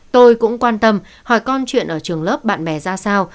tôi cũng quan tâm hỏi con chuyện ở trường lớp bạn bè ra sao